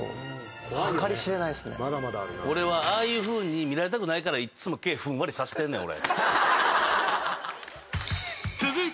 俺はああいうふうに見られたくないからいっつも毛ふんわりさせてんねん俺。